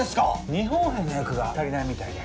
日本兵の役が足りないみたいで。